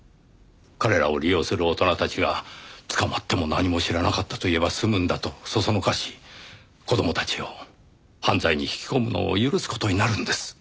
彼らを利用する大人たちが「捕まっても何も知らなかったと言えば済むんだ」と唆し子供たちを犯罪に引き込むのを許す事になるんです。